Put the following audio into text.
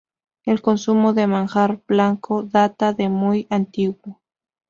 El consumo de manjar blanco data de muy antiguo.